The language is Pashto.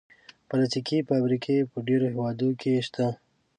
پلاستيکي فابریکې په ډېرو هېوادونو کې شته.